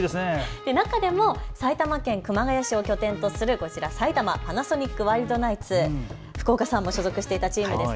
中でも埼玉県熊谷市を拠点とする埼玉パナソニックワイルドナイツ、福岡さんも所属していたチームです。